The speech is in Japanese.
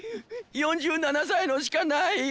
４７歳のしかない！